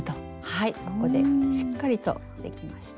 はいここでしっかりとできました。